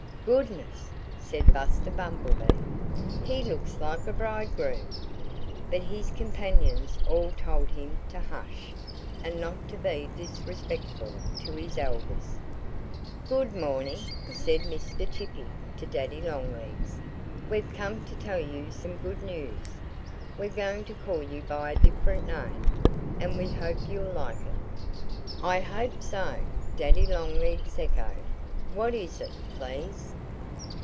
"Goodness!" said Buster Bumblebee. "He looks like a bridegroom!" But his companions all told him to hush, and not to be disrespectful to his elders. "Good morning!" said Mr. Chippy to Daddy Longlegs. "We've come to tell you some good news. We're going to call you by a different name. And we hope you'll like it." "I hope so!" Daddy Longlegs echoed. "What is it, please?"